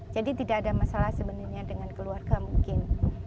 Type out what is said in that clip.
jadi tidak ada masalah sebenarnya dengan keluarga mungkin